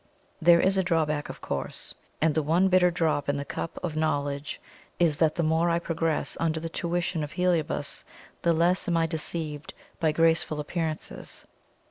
There is a drawback, of course, and the one bitter drop in the cup of knowledge is, that the more I progress under the tuition of Heliobas, the less am I deceived by graceful appearances.